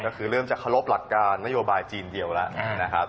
ก็คือเริ่มจะคลบหลักการนโยบายจีนเดียวแล้ว